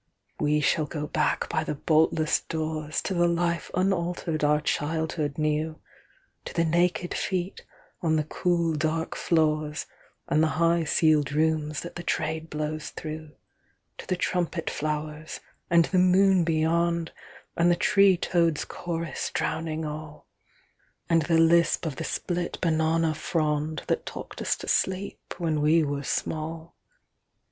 We shall go back by the boltless doors, To the life unaltered our childhood knew—To the naked feet on the cool, dark floors, And the high ceiled rooms that the Trade blows through:To the trumpet flowers and the moon beyond, And the tree toad's chorus drowning all—And the lisp of the split banana frondThat talked us to sleep when we were small.